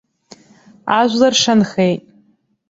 Ажәлар шанхеит.